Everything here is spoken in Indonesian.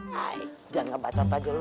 jangan ngebacot aja lu